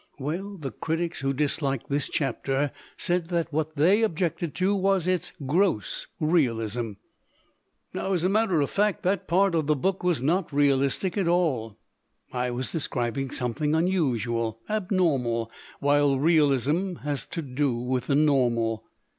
Well, the critics who disliked this chapter said that what they objected to was its 'gross realism.' "Now, as a matter of fact, that part of the book was not realistic at all. I was describing something unusual, abnormal, while realism has to do with the normal.